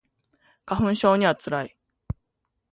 花粉症には辛い